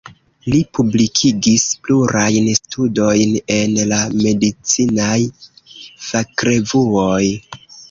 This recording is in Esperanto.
Li publikis plurajn studojn en la medicinaj fakrevuoj.